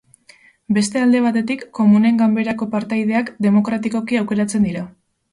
Beste alde batetik, Komunen Ganberako partaideak, demokratikoki aukeratzen dira.